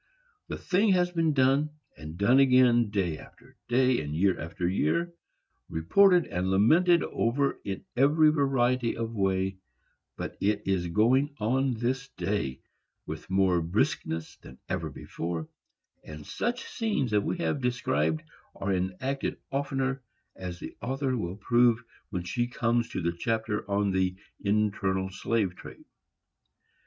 The thing has been done, and done again, day after day, and year after year, reported and lamented over in every variety of way; but it is going on this day with more briskness than ever before, and such scenes as we have described are enacted oftener, as the author will prove when she comes to the chapter on the internal slave trade.